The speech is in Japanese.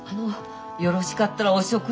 よろしかったらお食事でも。